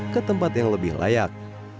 ke tempat yang lebih layak